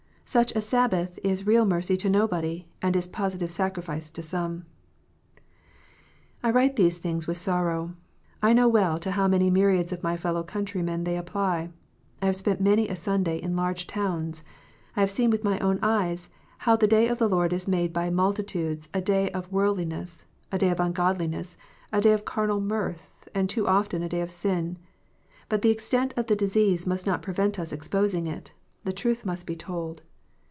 Such a Sabbath is real mercy to nobody, and is positive sacrifice to some. I write these things with sorrow. I know well to how many myriads of my fellow countrymen they apply. I have spent many a Sunday in large towns. I have seen with my own eyes how the Day of the Lord is made by multitudes a day of worldli ness, a day of ungodliness, a day of carnal mirth, and too often a day of sin. But the extent of the disease must not prevent us exposing it : the truth must be told.